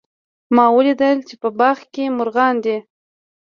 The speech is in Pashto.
ما ولیدل چې په باغ کې مرغان دي